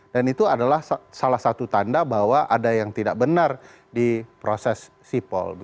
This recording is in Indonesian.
dan itu adalah salah satu tanda bahwa ada yang tidak benar di proses sipol